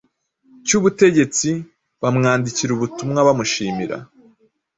cyubutegetsi, bamwandikira ubutumwa bamushimira